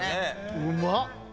うまっ！